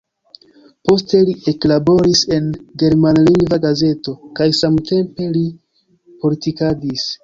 Poste li eklaboris en germanlingva gazeto kaj samtempe li politikadis.